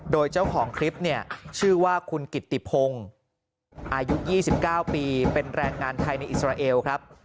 โดยเจ้าของคลิปเนี่ยชื่อว่าคุณกิตติพงศ์อายุ๒๙ปีเป็นแรงงานไทยในอิสราเอลครับ